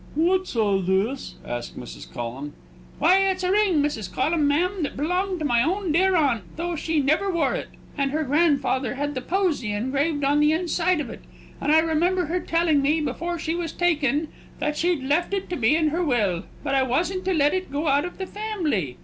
"What is all this?" asked Mrs. Collum. "Why, it's a ring, Mrs. Collum, ma'am, that belonged to my own dear aunt, though she never wore it; and her grandfather had the posy engraved on the inside of it. And I remember her telling me, before she was taken, that she'd left it to me in her will, but I wasn't to let it go out of the family.